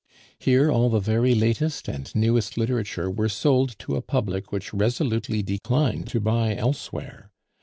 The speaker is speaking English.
Here all the very latest and newest literature were sold to a public which resolutely decline to buy elsewhere.